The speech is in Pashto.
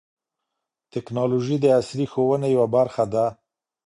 ټیکنالوژي د عصري ښوونې یوه برخه ده.